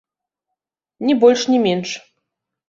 Ні больш ні менш!